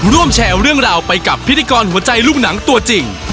แชร์เรื่องราวไปกับพิธีกรหัวใจลูกหนังตัวจริง